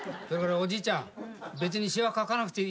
おじいちゃん。